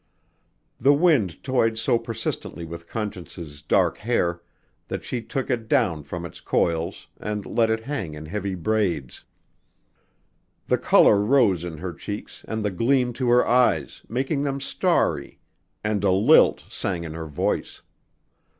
The wind toyed so persistently with Conscience's dark hair that she took it down from its coils and let it hang in heavy braids. The color rose in her cheeks and the gleam to her eyes making them starry, and a lilt sang in her voice.